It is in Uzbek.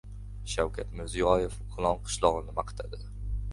Shavkat Mirziyoyev G‘ilon qishlog‘ini maqtadi